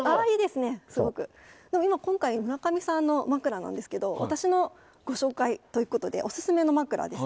今回、村上さんの枕なんですけど私のご紹介ということでオススメの枕です。